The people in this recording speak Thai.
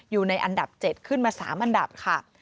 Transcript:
อยู่ในอันดับ๗ขึ้นมา๓อันดับค่ะ